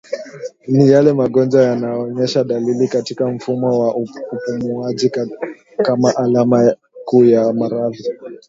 Ni yale magonjwa yanayoonesha dalili katika mfumo wa upumuaji kama alama kuu ya maradhi